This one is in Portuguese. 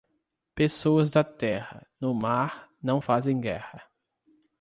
Pessoas da terra, no mar, não fazem guerra.